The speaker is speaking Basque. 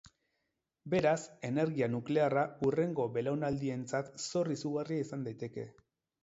Beraz, energia nuklearra hurrengo belaunaldientzat zor izugarria izan daiteke.